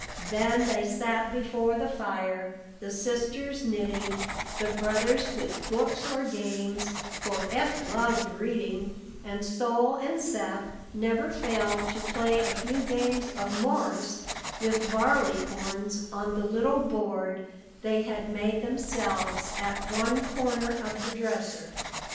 Then they sat before the fire, the sisters knitting, the brothers with books or games, for Eph loved reading, and Sol and Seth never failed to play a few games of Morris with barley corns, on the little board they had made themselves at one corner of the dresser.